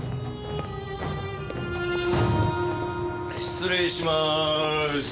失礼します。